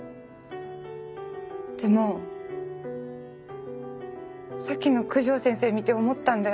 でもさっきの九条先生見て思ったんだよ。